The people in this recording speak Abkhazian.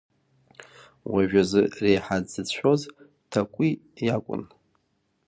Уажәазы реиҳа дзыцәшәоз Ҭакәи иакәын.